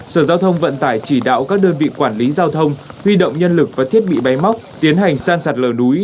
sở giao thông vận tải chỉ đạo các đơn vị quản lý giao thông huy động nhân lực và thiết bị bay móc tiến hành sàn sạt lở đuối